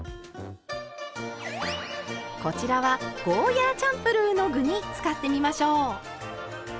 こちらはゴーヤーチャンプルーの具に使ってみましょう。